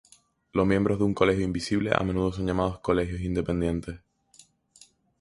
Los miembros de un colegio invisible a menudo son llamados colegiados independientes.